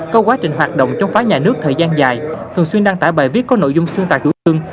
có quá trình hoạt động chống phá nhà nước thời gian dài thường xuyên đăng tải bài viết có nội dung xuyên tạc chủ trương